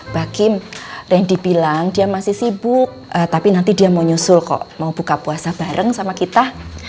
bagi yang dibilang dia masih sibuk tapi nanti dia mau nyusul kok mau buka puasa bareng sama kita